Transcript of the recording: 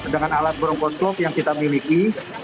dengan alat brongkos klop yang kita miliki